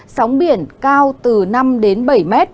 sóng biển cao từ năm đến bảy mét